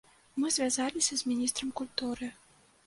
Мы звязаліся з міністрам культуры.